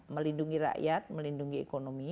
melindungi rakyat melindungi ekonomi